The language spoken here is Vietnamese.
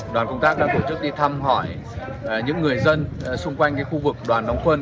đoàn công tác đã tổ chức đi thăm hỏi những người dân xung quanh khu vực đoàn đóng quân